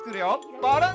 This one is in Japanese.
バランス！